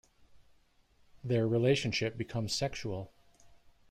Their relationship becomes sexual.